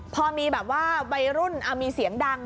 พอมีแบบว่าวัยรุ่นมีเสียงดัง